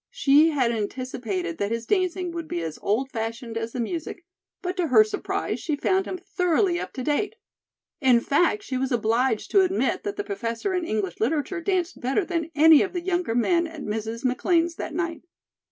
She had anticipated that his dancing would be as old fashioned as the music, but to her surprise, she found him thoroughly up to date. In fact, she was obliged to admit that the Professor in English Literature danced better than any of the younger men at Mrs. McLean's that night.